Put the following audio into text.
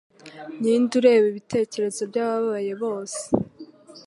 ninde ureba ibitekerezo byabababaye bose